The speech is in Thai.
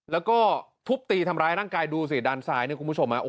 แล้วก็ทุบตีทำร้ายร่างกายดูสิด้านซ้ายเนี่ยคุณผู้ชม